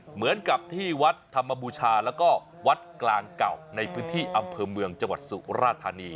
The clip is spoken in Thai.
เหมือนกับที่วัดธรรมบูชาแล้วก็วัดกลางเก่าในพื้นที่อำเภอเมืองจังหวัดสุราธานี